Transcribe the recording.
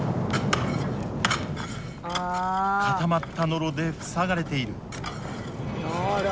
固まったノロで塞がれている。